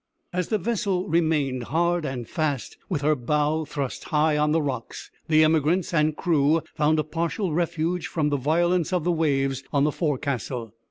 As the vessel remained hard and fast, with her bow thrust high on the rocks, the emigrants and crew found a partial refuge from the violence of the waves on the forecastle.